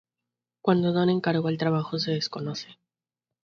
Cuándo Donne encargó el trabajo se desconoce.